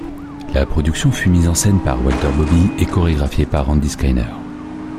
La production fut mise en scène par Walter Bobbie et chorégraphiée par Randy Skinner.